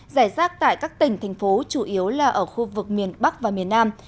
giải rác tại các tỉnh thành phố chủ yếu là ở khu vực miền bắc và miền nam